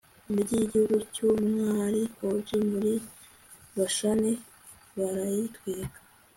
imigi y'igihugu cy'umwami ogi muri bashani barayitwika